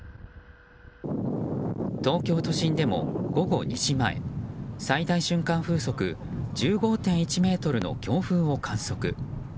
東京都心でも午後２時前最大瞬間風速１５．１メートルの強風を観測。